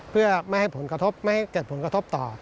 เพื่อไม่ให้เกิดผลกระทบต่อ